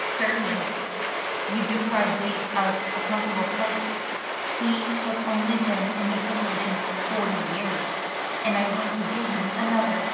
"Certainly. You deprived Bates of a comfortable place he has only been in the situation forty years and I went to get him another.